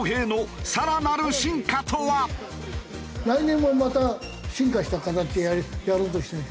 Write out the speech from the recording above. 来年もまた進化した形でやろうとしてるんでしょうね。